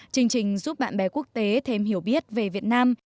chương trình giúp bạn bè quốc tế thêm hiểu biết về việt nam